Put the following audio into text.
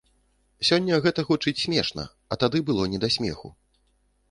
Сёння гэта гучыць смешна, а тады было не смеху.